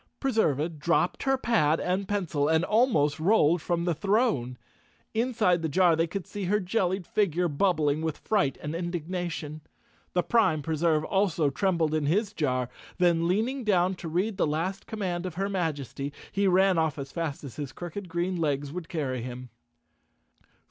Preserva dropped her pad and pencil and almost rolled from the throne. Inside the jar, they could see her jellied figure bubbling with fright and 213 The Cowardly Lion of Oz indignation. The Prime Preserve also trembled in his jar, then leaning down to read the last command of her Majesty, he ran off as fast as his crooked green legs would carry him.